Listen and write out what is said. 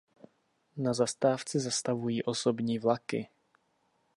Na zastávce zastavují osobní vlaky.